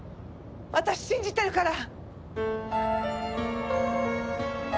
私信じてるから！